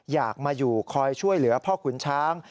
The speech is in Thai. อยากมาอยู่คอยช่วยเหลือพ่อขุนช้าง